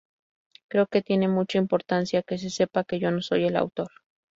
Creo que tiene mucha importancia que se sepa que yo no soy el autor".